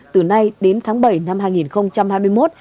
từ nay đến tháng bảy năm hai nghìn hai mươi một